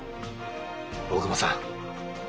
大隈さん。